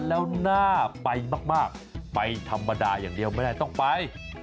แล้วน่าไปมากไปธรรมดาอย่างเดียวไม่ได้ต้องไป